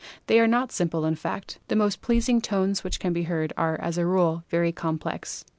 They are not simple — in fact, the most pleasing tones which can be heard are as a rule very complex.